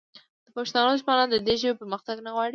د پښتنو دښمنان د دې ژبې پرمختګ نه غواړي